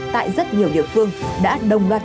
tại rất nhiều địa phương đã đồng loạt